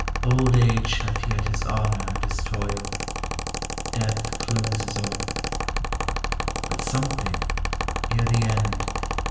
)ld age hath yet his honor and his toil : Death closes all : hut something, ere the end.